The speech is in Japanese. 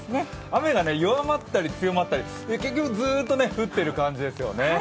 雨が弱まったり強まったり結局ずっと降ってる感じですよね。